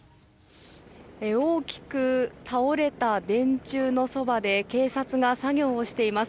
大きく倒れた電柱のそばで警察が作業をしています。